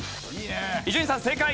伊集院さん正解！